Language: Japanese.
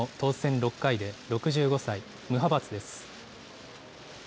６回で６５歳、無派閥です。